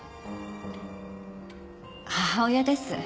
母親です